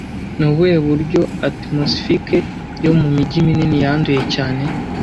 Ni ubuhe buryo Atmosifike yo mu mijyi minini yanduye cyane